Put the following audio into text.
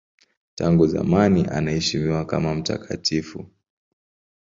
Tangu zamani anaheshimiwa kama mtakatifu.